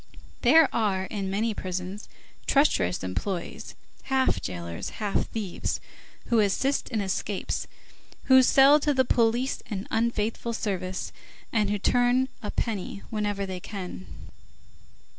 There are, in many prisons, treacherous employees, half jailers, half thieves, who assist in escapes, who sell to the police an unfaithful service, and who turn a penny whenever they can.